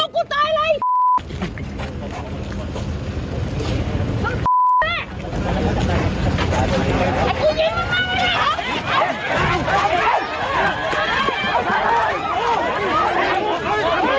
มีหลักฐานหรอลูกกูตายเลยไอ้